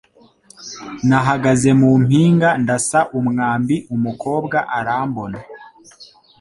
Nahagaze mu mpinga ndasa umwambi umukobwa arambona